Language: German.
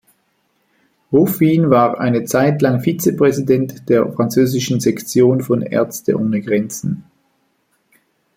Rufin war eine Zeit lang Vizepräsident der französischen Sektion von Ärzte ohne Grenzen.